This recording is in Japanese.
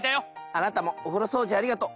あなたもお風呂掃除ありがとう！